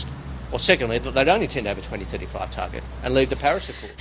atau kedua mereka hanya ingin memiliki target dua ribu tiga puluh lima dan meninggalkan perusahaan paris